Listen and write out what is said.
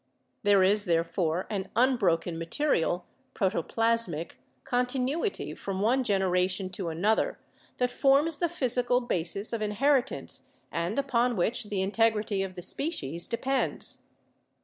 There is therefore an unbroken material (protoplasmic) continuity from one generation to another that forms the physical basis of inheritance and upon which the integrity of the species depends.